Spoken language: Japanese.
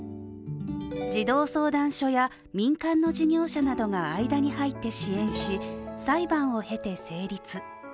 児童相談所や民間の事業者などが間に入って支援し裁判を経て成立。